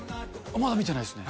まだ見てないですね。